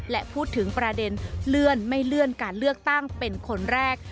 และพูดถึงประเด็นเลื่อนไม่เลื่อนการเลือกตั้งเป็นคนแรก